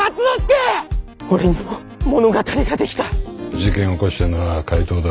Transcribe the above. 事件を起こしてるのは怪盗だ。